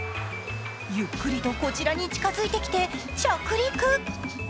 ゆっくりとこちらに近づいてきて着陸。